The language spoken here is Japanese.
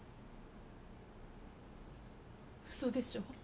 嘘でしょ。